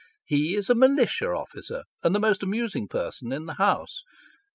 He is a militia officer, and the most amusing person in the House.